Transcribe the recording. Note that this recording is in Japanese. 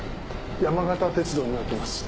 山形鉄道に乗っています。